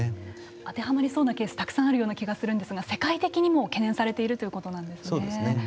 当てはまりそうなケースがたくさんあるような気がするんですけれども世界的にも懸念されているということなんですね。